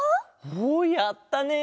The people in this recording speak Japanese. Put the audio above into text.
おやったね！